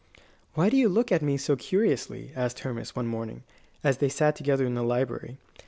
"Why do you look at me so curiously?" asked Hermas, one morning, as they sat together in the library.